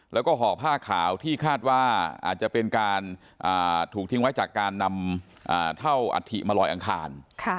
แล้วก็ห่อผ้าขาวที่คาดว่าอาจจะเป็นการถูกทิ้งไว้จากการนำเท่าอัฐิมาลอยอังคาร